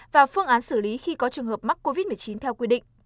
và phương án xử lý khi có trường hợp mắc covid một mươi chín theo quy định